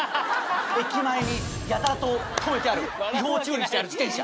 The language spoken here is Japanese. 駅前にやたらと停めてある違法駐輪してある自転車。